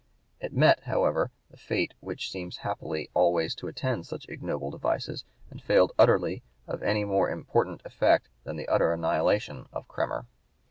It met, however, the fate which seems happily always to attend such ignoble devices, and failed utterly of any more important effect than the utter annihilation of Kremer.